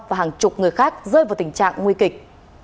và hàng chục người khác rơi vào tình trạng nguy kịch